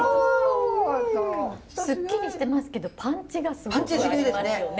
スッキリしてますけどパンチがすごくありますよね。